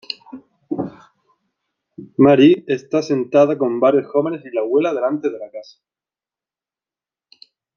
Marie está sentada con varias jóvenes y la abuela delante de la casa.